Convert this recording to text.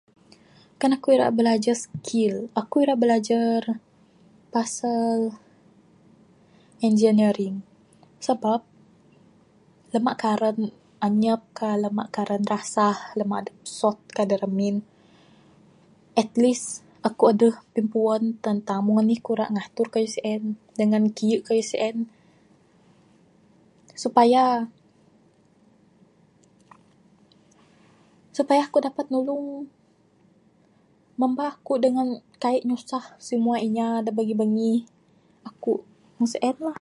Kan aku ira bilajar skill aku ira bilajar pasal engineering. Sabab, lama karen anyap, lama karen rasah, lama adeh sot da remin. At least aku adeh pimpuan tentang meng anih ku ra ngatur kayuh sien dangan kiye kayuh sien supaya supaya aku dapat nulung mamba aku dangan kaik nyusah simua inya da bangih bangih aku meng sien lah.